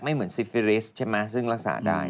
ไม่เหมือนซิฟิริสซึ่งรักษาได้